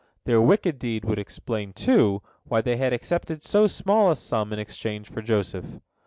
Their wicked deed would explain, too, why they had accepted so small a sum in exchange for Joseph.